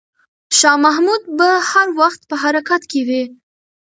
شاه محمود به هر وخت په حرکت کې وي.